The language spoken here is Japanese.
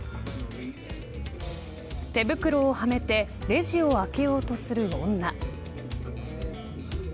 手袋をはめてレジを開けようとする女。